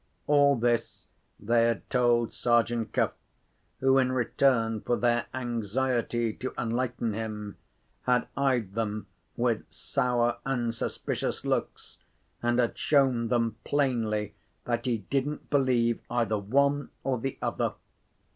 All this they had told Sergeant Cuff, who, in return for their anxiety to enlighten him, had eyed them with sour and suspicious looks, and had shown them plainly that he didn't believe either one or the other.